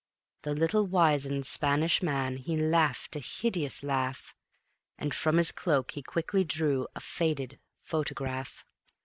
The little wizened Spanish man he laughed a hideous laugh, And from his cloak he quickly drew a faded photograph.